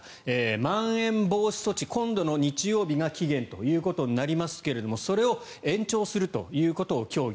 まん延防止措置今度の日曜日が期限ということになりますがそれを延長するということを協議。